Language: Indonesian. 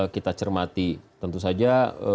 kita cermati tentu saja